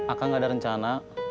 akan gak ada rencana